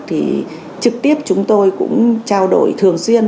thì trực tiếp chúng tôi cũng trao đổi thường xuyên